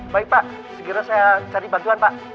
baik pak segera saya cari bantuan pak